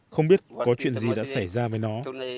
không biết có chuyện gì đã xảy ra với nó